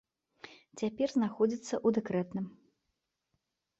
Цяпер знаходзіцца ў дэкрэтным.